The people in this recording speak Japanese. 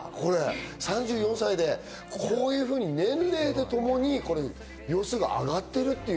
３４歳でこういうふうに年齢とともに秒数が上がっている。